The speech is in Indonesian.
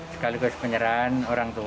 sekaligus penyerahan orang tua